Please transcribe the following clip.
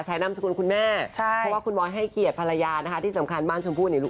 นามสกุลคุณแม่ใช่เพราะว่าคุณบอยให้เกียรติภรรยานะคะที่สำคัญบ้านชมพู่เนี่ยลูก